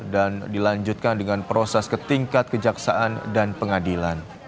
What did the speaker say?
dan dilanjutkan dengan proses ketingkat kejaksaan dan pengadilan